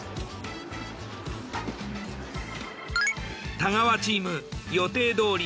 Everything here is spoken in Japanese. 太川チーム予定どおり